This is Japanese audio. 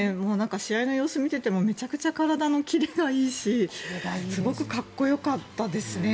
試合の様子を見ていてもめちゃくちゃ体のキレがいいしすごくかっこよかったですね。